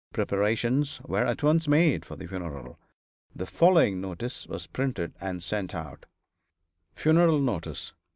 Preparations were at once made for the funeral. The following notice was printed and sent out: "FUNERAL NOTICE.